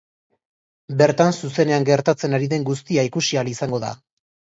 Bertan zuzenean gertatzen ari den guztia ikusi ahal izango da.